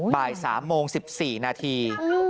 บ่าย๓โมง๑๔นาที